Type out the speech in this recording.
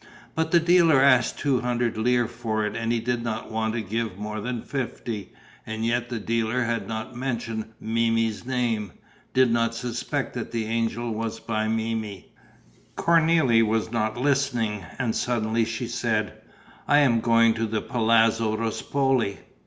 But the dealer asked two hundred lire for it and he did not want to give more than fifty. And yet the dealer had not mentioned Memmi's name, did not suspect that the angel was by Memmi. Cornélie was not listening; and suddenly she said: "I am going to the Palazzo Ruspoli."